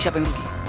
siapa yang rugi